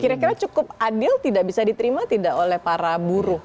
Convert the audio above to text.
kira kira cukup adil tidak bisa diterima tidak oleh para buruh